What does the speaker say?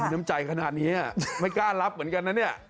น้ำใจขนาดนี้ไม่กล้ารับเหมือนกันนะเนี่ย